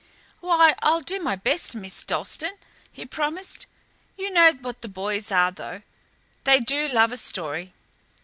"Why, I'll do my best, Miss Dalstan," he promised. "You know what the boys are, though. They do love a story."